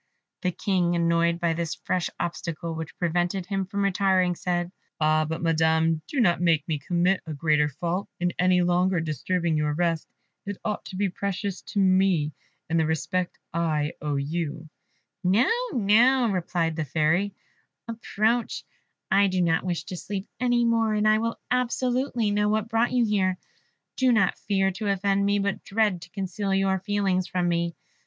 The King, annoyed by this fresh obstacle, which prevented him from retiring, said, "Ah, Madam, do not make me commit a greater fault, in any longer disturbing your rest; it ought to be precious to me, and the respect I owe you " "No, no," replied the Fairy, "approach; I do not wish to sleep any more, and I will absolutely know what brought you here; do not fear to offend me, but dread to conceal your feelings from me.